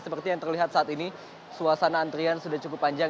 seperti yang terlihat saat ini suasana antrian sudah cukup panjang